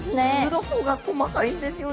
鱗が細かいんですよね